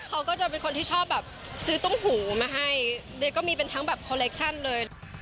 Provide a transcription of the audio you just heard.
เขาก็จะเป็นคนที่ชอบแบบซื้อตุ้งหูมาให้เด็กก็มีเป็นทั้งแบบคอเล็กชั่นเลย